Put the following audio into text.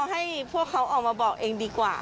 ให้พวกเขาออกมาบอกเองดีกว่า